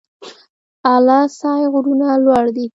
اله سای غرونه لوړ دي؟